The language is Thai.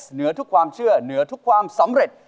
เหนือทุกความเชื่อเหนือทุกความสำเร็จ